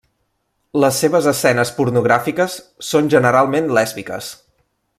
Les seves escenes pornogràfiques són generalment lèsbiques.